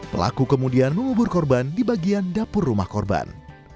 pelaku kemudian mengubur korban di bagian dapur rumah korban